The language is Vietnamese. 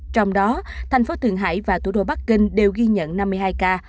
trong đó thành phố tuyền hải và thủ đô bắc kinh đều ghi nhận năm mươi hai ca